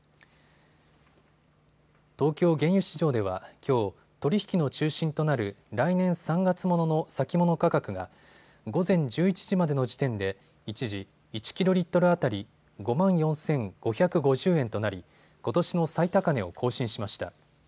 東京原油市場ではきょう取り引きの中心となる来年３月ものの先物価格が午前１１時までの時点で一時、１キロリットル当たり５万４５５０円となりことしの最高値を更新しました。